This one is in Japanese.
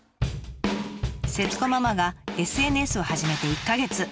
節子ママがＳＮＳを始めて１か月。